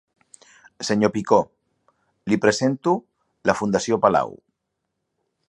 Senyor Picó, li presento la Fundació Palau.